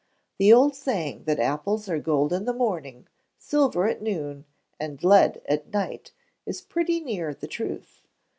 The old saying, that apples are gold in the morning, silver at noon, and lead at night, is pretty near the truth.